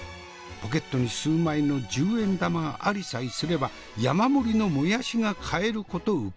ポケットに数枚の十円玉がありさえすれば山盛りのもやしが買えること請け合い。